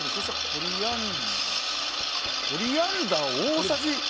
コリアンダー大さじか。